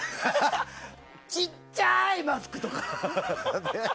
ちっちゃいマスクとか。